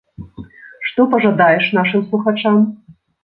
Што пажадаеш нашым слухачам?